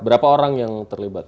berapa orang yang terlibat